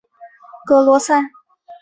克罗塞。